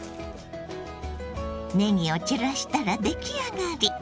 ねぎを散らしたら出来上がり。